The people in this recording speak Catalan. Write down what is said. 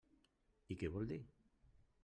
I què vol dir?